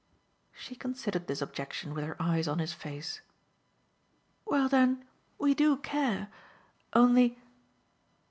She considered this objection with her eyes on his face. "Well then we do care. Only